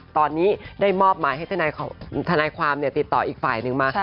ตอนนี้ได้มอบหมายให้ทนายความติดต่ออีกฝ่ายหนึ่งมา